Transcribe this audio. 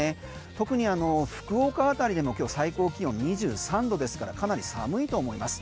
特に福岡辺りでも今日最高気温が２３度ですからかなり寒いと思います。